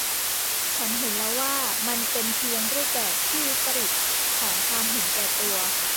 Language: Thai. ฉันเห็นแล้วว่ามันเป็นเพียงรูปแบบที่วิปริตของความเห็นแก่ตัว